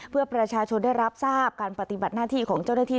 เพื่อประชาชนได้รับทราบการปฏิบัติหน้าที่ของเจ้าหน้าที่